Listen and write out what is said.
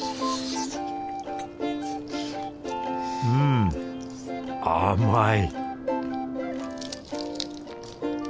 うん甘い